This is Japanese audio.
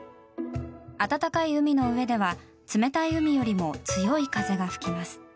温かい海の上では冷たい海よりも強い風が吹きます。